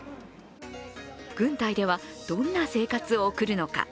軍隊ではどんな生活を送るのか。